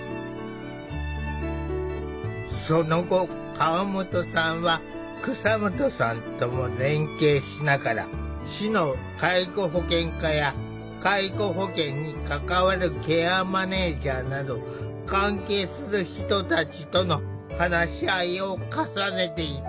その後河本さんは蒼下さんとも連携しながら市の介護保険課や介護保険に関わるケアマネージャーなど関係する人たちとの話し合いを重ねていった。